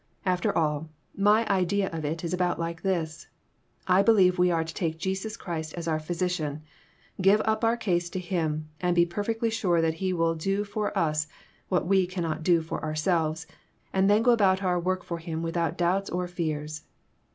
After all, my idea of it is about like this I believe we are to take Jesus Christ as our Physician, give up our case to Him, and be perfectly sure that He will do for us what we cannot do for ourselves, and then go about our work for Him without doubts or fears.